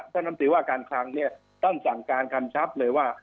ท่านน้ำตีว่าการคลังเนี่ยท่านสั่งการกำชับเลยว่า